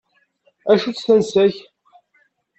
Acu-tt tansa-k?